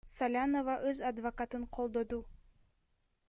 Салянова өз адвокатын колдоду.